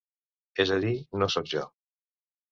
És a dir, no sóc jo.